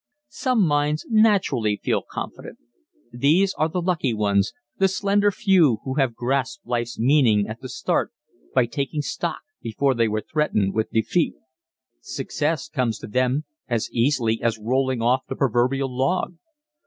Some minds naturally feel confident. These are the lucky ones, the slender few who have grasped life's meaning at the start by "taking stock" before they were threatened with defeat. Success comes to them as easily as rolling off the proverbial log.